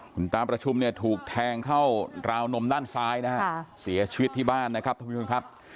คุณตาประชุมเนี่ยถูกแทงเข้าราวนมด้านซ้ายนะฮะเสียชีวิตที่บ้านนะครับท่านผู้ชมครับ